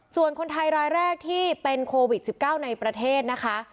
ส่วนคนไทยรายแรกที่เป็นโควิด๑๙ในประเทศนะคะ